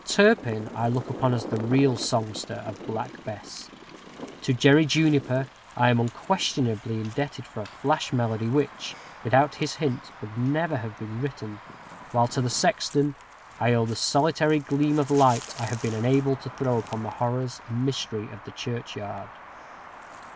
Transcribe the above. Turpin I look upon as the real songster of "Black Bess;" to Jerry Juniper I am unquestionably indebted for a flash melody which, without his hint, would never have been written, while to the sexton I owe the solitary gleam of light I have been enabled to throw upon the horrors and mystery of the churchyard.